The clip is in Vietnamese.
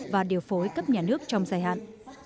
và điều phối cấp nhà nước trong dài hạn